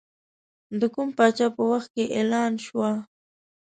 د کوم پاچا په وخت کې اعلان شوه.